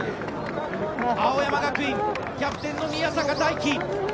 青山学院キャプテンの宮坂大器。